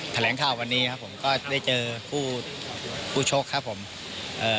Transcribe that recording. แถลงข่าววันนี้ครับผมก็ได้เจอผู้ชกครับผมเอ่อ